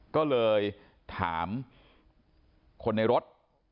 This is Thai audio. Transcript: ก็เลยถามคนในรถ